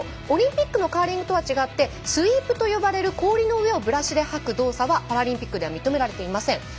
オリンピックのカーリングとは違ってスイープと呼ばれる氷の上をブラシで掃く動作はパラリンピックでは認められません。